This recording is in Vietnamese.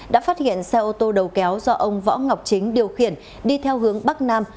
đã phát hiện xe ô tô đầu kéo do ông võ ngọc chính điều khiển đi theo hướng bắc nam